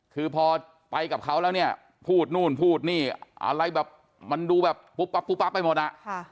คือพอไปกับเขาแล้วเนี่ยพูดนู่นพูดนี่อะไรแบบมันดูแบบปุ๊บปั๊บปุ๊บปั๊บไปหมดอ่ะ